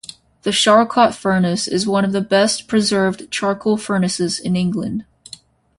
The Charlcotte furnace is one of the best-preserved charcoal furnaces in England.